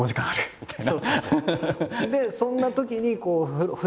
みたいな。